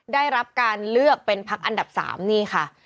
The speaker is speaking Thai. ได้รับการเลือกเป็นพักอันดับ๓นี่ค่ะ